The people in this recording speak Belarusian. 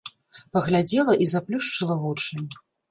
Паглядзела і заплюшчыла вочы.